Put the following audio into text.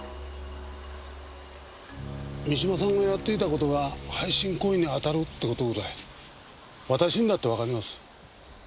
三島さんがやっていたことが背信行為に当たるってことぐらい私にだってわかります。